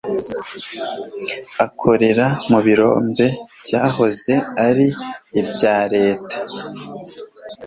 akorera mu birombe byahoze ari ibya leta